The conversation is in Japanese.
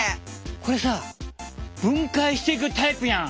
これさ分解していくタイプやん。